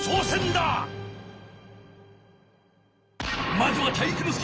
まずは体育ノ介！